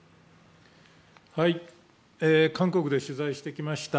韓国で取材してきました。